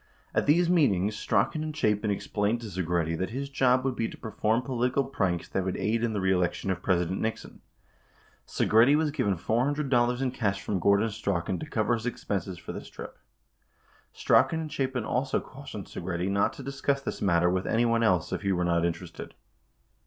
At these meetings, Strachan and Chapin explained to Segretti that his job would be to perform political pranks that would aid in the reelection of President Nixon. 6 Segretti was given $400 in cash from Gordon Strachan to cover his expenses for this trip. Strachan and Chapin also cautioned Segretti not to discuss this matter with any one else if he were not interested.